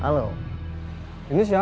sampai jumpa di video selanjutnya